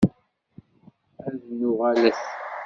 Ad nuɣalet!